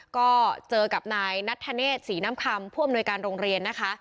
ก็เจอกับนายนัทธเนศศรีน้ำคำผู้อำนวยการโรงเรียนนะคะ